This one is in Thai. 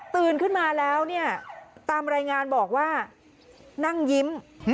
ขึ้นมาแล้วเนี่ยตามรายงานบอกว่านั่งยิ้ม